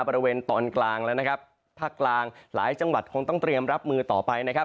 บริเวณตอนกลางแล้วภาคกลางหลายจังหวัดคงต้องเตรียมรับมือต่อไป